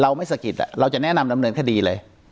ไม่สะกิดเราจะแนะนำดำเนินคดีเลย